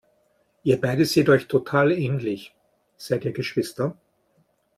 Ihr beide seht euch total ähnlich, seid ihr Geschwister?